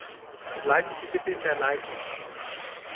Bleiben Sie bitte in der Leitung.